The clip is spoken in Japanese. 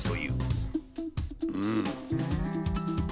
うん！